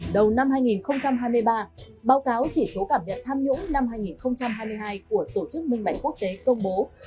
đầu năm hai nghìn hai mươi ba báo cáo chỉ số cảm nhận tham nhũng năm hai nghìn hai mươi hai của tổ chức minh bạch quốc tế công bố